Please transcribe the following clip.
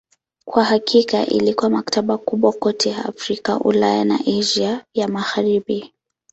Kwa hakika ilikuwa maktaba kubwa kote Afrika, Ulaya na Asia ya Magharibi.